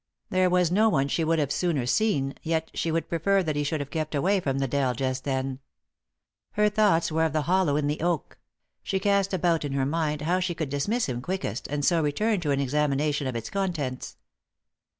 There was no one she would have sooner seen, yet she would prefer that he should have kept away from the dell just then. Her thoughts were of the hollow in the oak ; she cast about in her mind how she could dismiss him quickest, and so return to an examination of its contents.